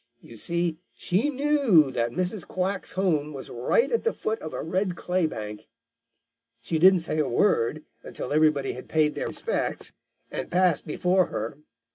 You see, she knew that Mrs. Quack's home was right at the foot of a red claybank. She didn't say a word until everybody had paid their respects and passed before her.